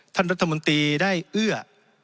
ท่านรัฐมนตรีได้เอื้อ